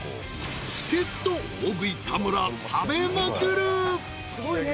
［助っ人大食い田村食べまくる］